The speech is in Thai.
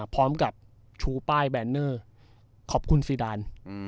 พร้อมกับชูป้ายแบนเนอร์ขอบคุณซีดาน